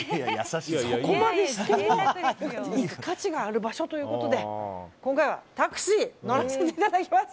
そこまでしても行く価値がある場所ということで今回はタクシー乗らせていただきます。